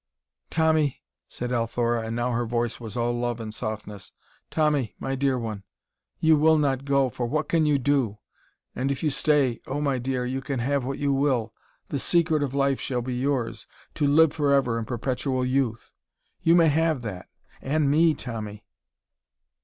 "Tommy," said Althora, and now her voice was all love and softness, "Tommy, my dear one! You will not go, for what can you do? And if you stay oh, my dear! you can have what you will the secret of life shall be yours to live forever in perpetual youth. You may have that. And me, Tommy....